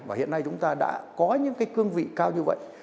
và hiện nay chúng ta đã có những cái cương vị cao như vậy